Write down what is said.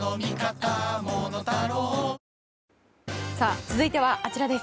続いてはあちらです。